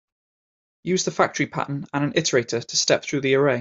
Use the factory pattern and an iterator to step through the array.